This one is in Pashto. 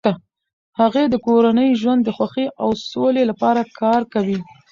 هغې د کورني ژوند د خوښۍ او سولې لپاره کار کوي.